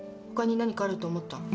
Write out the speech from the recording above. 他に何かあると思った？